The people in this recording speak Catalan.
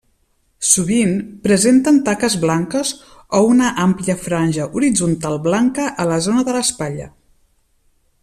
Sovint presenten taques blanques o una àmplia franja horitzontal blanca a la zona de l'espatlla.